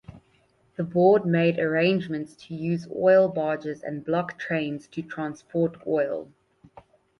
The board made arrangements to use oil barges and ‘block’ trains to transport oil.